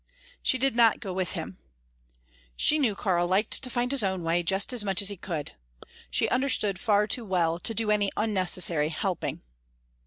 She did not go with him. She knew Karl liked to find his own way just as much as he could. She understood far too well to do any unnecessary "helping."